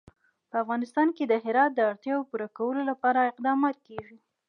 په افغانستان کې د هرات د اړتیاوو پوره کولو لپاره اقدامات کېږي.